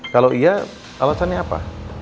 kalau iya alasannya apa